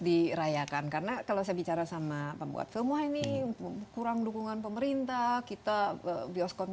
dirayakan karena kalau saya bicara sama pembuat film wah ini kurang dukungan pemerintah kita bioskop